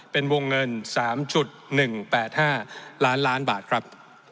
เป็นวงเงิน๓๑๘๕ล้านล้านบาทครับ